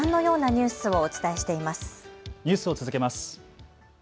ニュースを続けます。